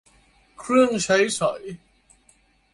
เครื่องใช้สอย